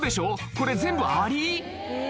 これ全部アリ？